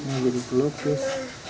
mau jadi melukis